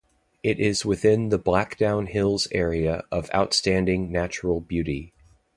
It is within the Blackdown Hills Area of Outstanding Natural Beauty.